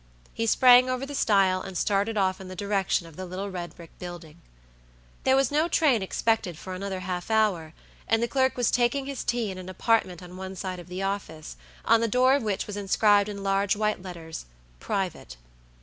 He sprang over the stile, and started off in the direction of the little red brick building. There was no train expected for another half hour, and the clerk was taking his tea in an apartment on one side of the office, on the door of which was inscribed in large, white letters, "Private."